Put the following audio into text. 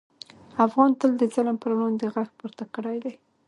افغان تل د ظلم پر وړاندې غږ پورته کړی دی.